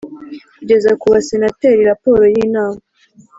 kugeza ku Basenateri raporo y Inama